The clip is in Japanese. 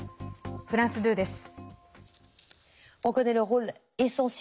フランス２です。